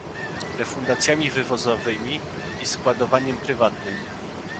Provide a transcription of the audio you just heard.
refundacjami wywozowymi i składowaniem prywatnym